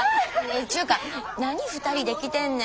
ちゅうか何２人で来てんねん。